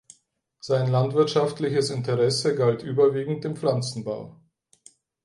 Sein landwirtschaftliches Interesse galt überwiegend dem Pflanzenbau.